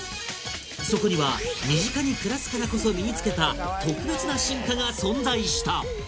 そこには身近に暮らすからこそ身に付けた特別な進化が存在した！